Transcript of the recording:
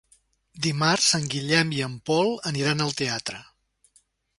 Dimarts en Guillem i en Pol aniran al teatre.